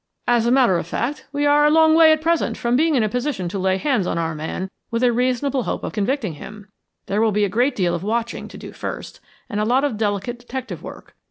"As a matter of fart, we are a long way at present from being in a position to lay hands on our man with a reasonable hope of convicting him. There will be a great deal of watching to do first, and a lot of delicate detective work.